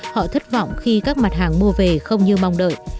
họ thất vọng khi các mặt hàng mua về không như mong đợi